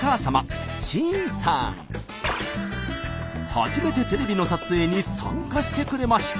初めてテレビの撮影に参加してくれました。